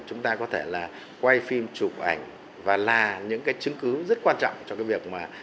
chúng ta có thể là quay phim chụp ảnh và là những cái chứng cứ rất quan trọng cho cái việc mà